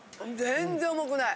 全然重くない。